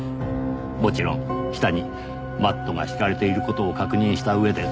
もちろん下にマットが敷かれている事を確認した上で。